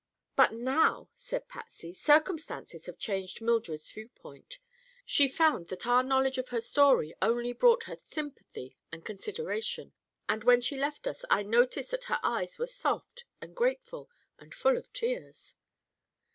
"But now," said Patsy, "circumstances have changed Mildred's viewpoint. She found that our knowledge of her story only brought her sympathy and consideration, and when she left us I noticed that her eyes were soft and grateful and full of tears."